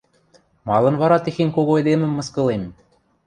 Малын вара техень кого эдемӹм мыскылем?